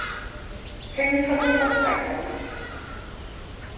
青春真係好